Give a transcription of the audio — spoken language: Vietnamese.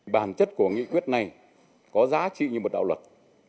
bản chất của nghị quyết này có giá trị như một đạo luật